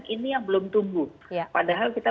ini yang belum tumbuh padahal kita